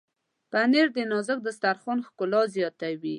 پنېر د نازک دسترخوان ښکلا زیاتوي.